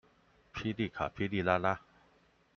霹靂卡霹靂拉拉